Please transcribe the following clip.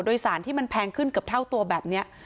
โดยสารที่มันแพงขึ้นเกือบเท่าตัวแบบนี้